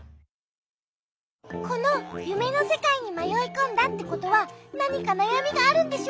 このゆめのせかいにまよいこんだってことはなにかなやみがあるんでしょ？